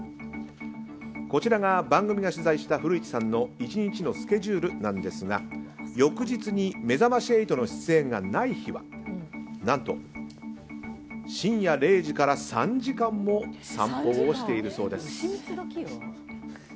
こちらが番組が取材した古市さんの１日のスケジュールなんですが翌日に「めざまし８」の出演がない日は何と、深夜０時から３時間も散歩をしているそうです。